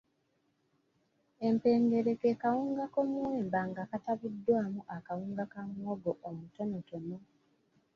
Empengere ke kawunga k’omuwemba nga katabuddwamu akawunga ka muwogo omutonotono.